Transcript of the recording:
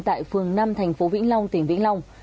tại phường năm tp vĩnh long tỉnh vĩnh long